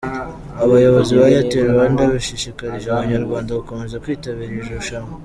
Abayobozi ba Airtel Rwanda bashishikarije abanyarwanda gukomeza kwitabira iri rushanwa.